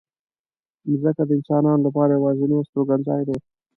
مځکه د انسانانو لپاره یوازینۍ استوګنځای دی.